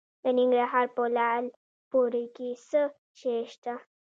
د ننګرهار په لعل پورې کې څه شی شته؟